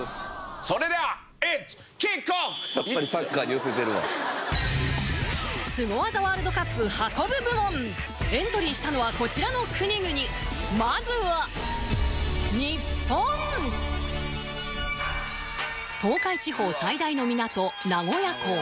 それではやっぱりサッカーに寄せてるわスゴ技ワールドカップ「運ぶ」部門エントリーしたのはこちらの国々まずは東海地方最大の港名古屋港